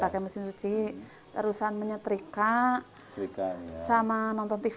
pakai mesin suci terusan menyetrika sama nonton tv